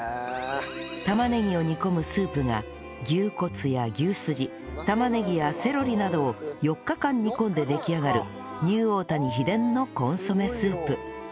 玉ねぎを煮込むスープが牛骨や牛スジ玉ねぎやセロリなどを４日間煮込んで出来上がるニューオータニ秘伝のコンソメスープ